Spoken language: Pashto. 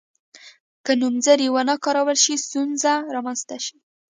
که نومځري ونه کارول شي ستونزه رامنځته شي.